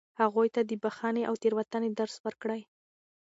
هغوی ته د بښنې او تېرېدنې درس ورکړئ.